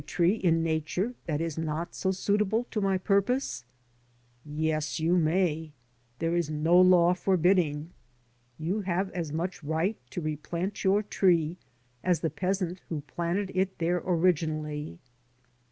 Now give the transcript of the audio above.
91 tree in Nature that is not so suitable to my purpose?" Yes, you may; there is no law forbidding. You have as much right to replant your tree as the peasant who planted it there originally.